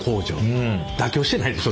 妥協してないでしょ。